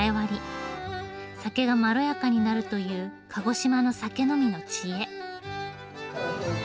酒がまろやかになるという鹿児島の酒呑みの知恵。